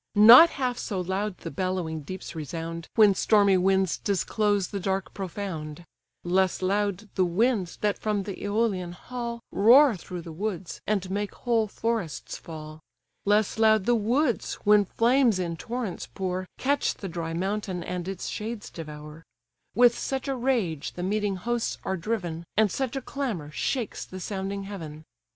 Not half so loud the bellowing deeps resound, When stormy winds disclose the dark profound; Less loud the winds that from the Æolian hall Roar through the woods, and make whole forests fall; Less loud the woods, when flames in torrents pour, Catch the dry mountain, and its shades devour; With such a rage the meeting hosts are driven, And such a clamour shakes the sounding heaven.